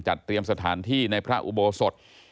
เตรียมสถานที่ในพระอุโบสถ